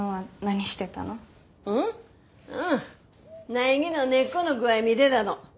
苗木の根っこの具合見でたの。